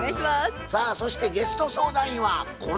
さあそしてゲスト相談員はこの方です。